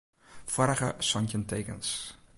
Foarige santjin tekens.